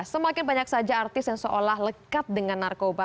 semakin banyak saja artis yang seolah lekat dengan narkoba